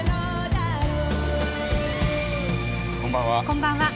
こんばんは。